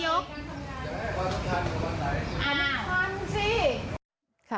อันนี้ความรู้สึก